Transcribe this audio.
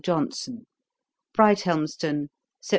JOHNSON.' 'Brighthelmstone, Sept.